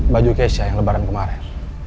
baju kesya yang lebaran kemarin